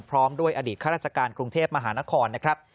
พร้อมด้วยอดีตข้าราชการกรุงเทพมหานครนะครับ